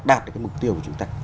đạt được cái mục tiêu của chúng ta